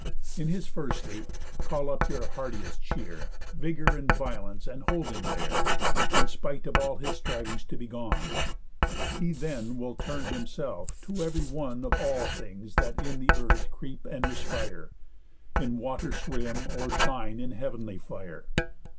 In his first sleep, call up your hardiest cheer, Vigour and violence, and hold him there, In spite of all his strivings to be gone. He then will turn himself to ev'ry one Of all things that in earth creep and respire, In water swim, or shine in heav'nly fire.